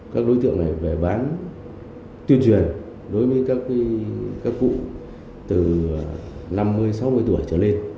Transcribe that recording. các đối tượng này về bán tuyên truyền đối với các cụ từ năm mươi sáu mươi tuổi trở lên